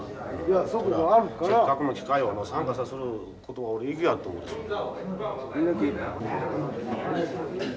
せっかくの機会を参加さすることは俺意義あると思ってるから。